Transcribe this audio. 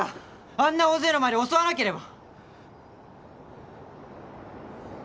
あんな大勢の前で襲わなければ！